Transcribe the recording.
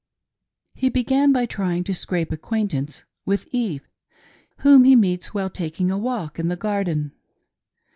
He began by trying to scrape acquaintance with Eve, whom he meets while taking a walk in the garden.